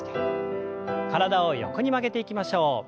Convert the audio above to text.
体を横に曲げていきましょう。